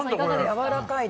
やわらかい。